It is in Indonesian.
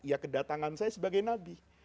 ya kedatangan saya sebagai nabi